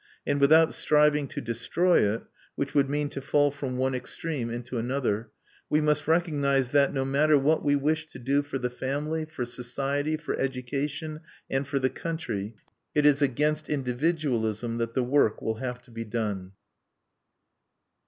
And without striving to destroy it which would mean to fall from one extreme into another we must recognize that, no matter what we wish to do for the family, for society, for education, and for the country, it is against individualism that the work will have to be done."